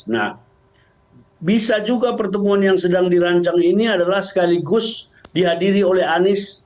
nah bisa juga pertemuan yang sedang dirancang ini adalah sekaligus dihadiri oleh anies